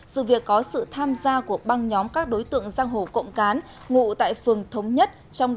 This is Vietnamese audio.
sự việc có sự tham gia của băng nhóm các đối tượng giang hồ cộng cán ngụ tại phường thống nhất